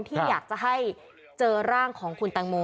ที่อยากจะให้เจอร่างของคุณแตงโม